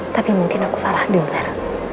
tapi mungkin aku salah dengar